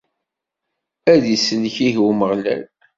Ad t-isellek ihi Umeɣlal!